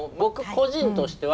個人としては。